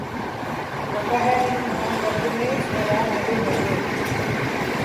ہوتا ہے نہاں گرد میں صحرا مرے ہوتے